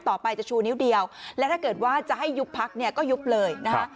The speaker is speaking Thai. ต่อไปจะชูนิ้วเดียวและถ้าเกิดว่าจะให้ยุบพักเนี่ยก็ยุบเลยนะคะ